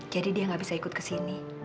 jadi dia gak bisa ikut ke sini